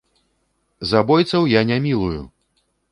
Забойцаў я не мілую!